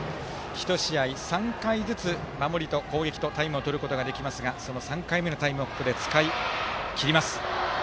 １試合３回ずつ守りと攻撃とタイムをとることができますがその３回目のタイムをここで使いきります。